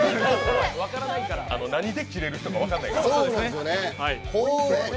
何でキレる人か分からないから。